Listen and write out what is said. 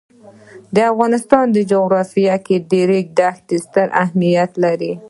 د افغانستان جغرافیه کې د ریګ دښتې ستر اهمیت لري.